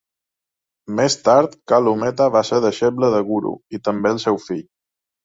Més tard, Kalu Mehta va ser deixeble de Guru, i també el seu fill.